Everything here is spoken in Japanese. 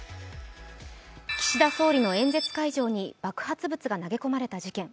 岸田総理の演説会場に爆発物が投げ込まれた事件。